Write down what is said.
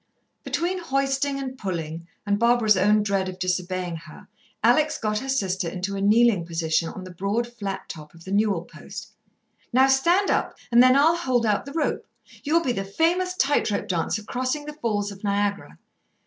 Between hoisting and pulling and Barbara's own dread of disobeying her, Alex got her sister into a kneeling position on the broad flat top of the newel post. "Now stand up, and then I'll hold out the rope. You'll be the famous tight rope dancer crossing the Falls of Niagara."